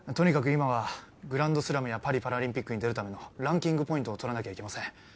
今はグランドスラムやパリパラリンピックに出るためのランキングポイントを取らなきゃいけません